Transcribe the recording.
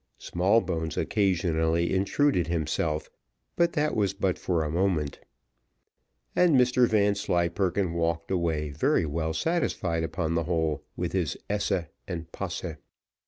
Smallbones occasionally intruded himself, but that was but for a moment. And Mr Vanslyperken walked away very well satisfied, upon the whole, with his esse and posse.